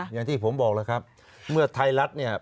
อย่างที่ผมบอกแล้วครับเมื่อไทยรัฐเนี่ย